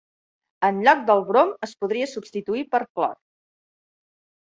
En lloc del brom, es podria substituir per clor.